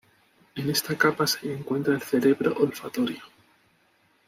En esta capa se encuentra el "cerebro olfatorio".